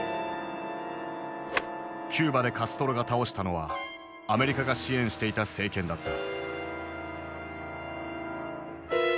キューバでカストロが倒したのはアメリカが支援していた政権だった。